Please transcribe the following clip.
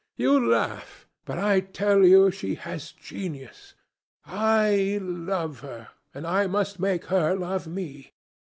You laugh, but I tell you she has genius. I love her, and I must make her love me.